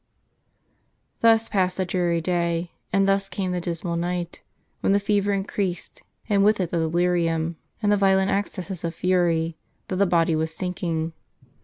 Thus passed the dreary day, and thus came the dismal night, when the fever increased, and with it the delirium, and the violent accesses ol fury, though the body was sink ing.